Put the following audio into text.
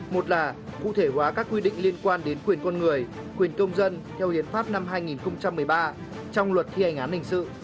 một là cụ thể hóa các quy định liên quan đến quyền con người quyền công dân theo hiến pháp năm hai nghìn một mươi ba trong luật thi hành án hình sự